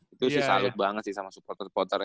itu sih salut banget sih sama supporter supporternya